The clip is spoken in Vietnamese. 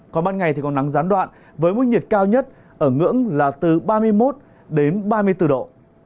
còn ban ngày thì có nắng gián đoạn với mức nhiệt cao nhất ở ngưỡng là từ ba mươi một đến ba mươi bốn độ